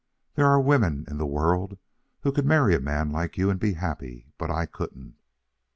There are women in the world who could marry a man like you and be happy, but I couldn't.